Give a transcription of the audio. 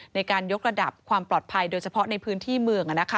ในการยกระดับความปลอดภัยโดยเฉพาะในพื้นที่เมือง